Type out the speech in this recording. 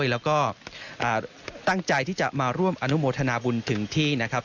แล้วก็ตั้งใจที่จะมาร่วมอนุโมทนาบุญถึงที่นะครับ